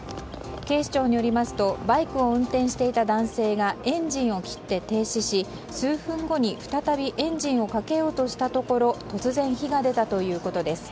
警視庁によりますとバイクを運転していた男性がエンジンを切って停止し数分後に再びエンジンをかけようとしたところ突然、火が出たということです。